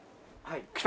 はい。